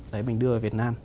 đấy mình đưa vào việt nam